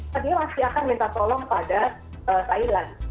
mereka pasti akan minta tolong pada thailand